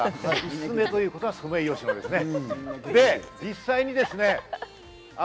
薄めということはソメイヨシノですね。